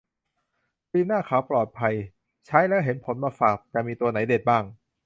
ครีมหน้าขาว ปลอดภัย ใช้แล้วเห็นผลมาฝาก จะมีตัวไหนเด็ดบ้าง